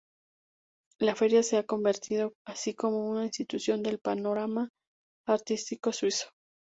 La feria se ha convertido así en una institución del panorama artístico suizo.